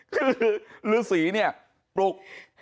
คือฤษีเนี่ยปลุก